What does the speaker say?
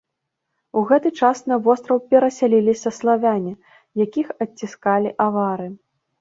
У гэты час на востраў перасяляліся славяне, якіх адціскалі авары.